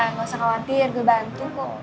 nggak usah khawatir gue bantu kok